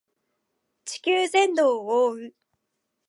地球全土を覆う